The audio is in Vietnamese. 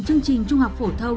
chương trình trung học phổ thông